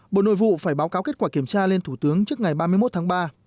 bộ nội vụ phải báo cáo kết quả kiểm tra lên thủ tướng trước ngày ba mươi một tháng ba